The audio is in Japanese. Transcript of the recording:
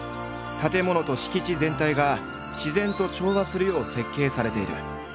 建物と敷地全体が自然と調和するよう設計されている。